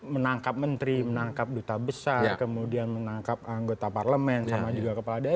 menangkap menteri menangkap duta besar kemudian menangkap anggota parlemen sama juga kepala daerah